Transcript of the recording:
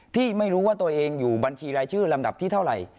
ที่ไม่รู้ว่าตัวเองอยู่บัญชีรายชื่อลำดับที่เท่าไหร่